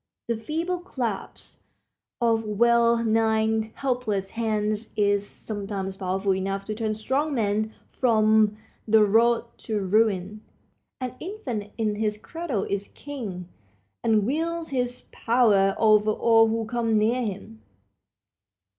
The feeble clasp of well nigh helpless hands is sometimes powerful enough to turn strong men from the road to ruin. An infant in his cradle is king, and wields his power over all who come near him.